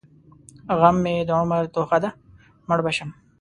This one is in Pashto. غم مې د عمر توښه ده؛ مړ به شم.